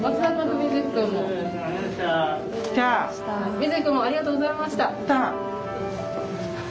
みずきくんもありがとうございました。